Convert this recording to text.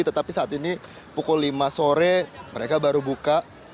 tetapi saat ini pukul lima sore mereka baru buka